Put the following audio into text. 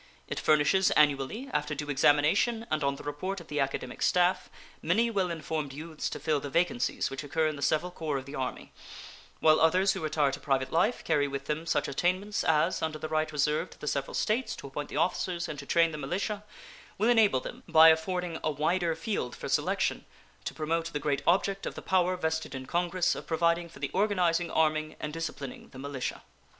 It furnishes annually, after due examination and on the report of the academic staff, many well informed youths to fill the vacancies which occur in the several corps of the Army, while others who retire to private life carry with them such attainments as, under the right reserved to the several States to appoint the officers and to train the militia, will enable them, by affording a wider field for selection, to promote the great object of the power vested in Congress of providing for the organizing, arming, and disciplining the militia.